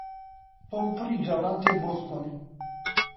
Tom pirî caran tê bostonê.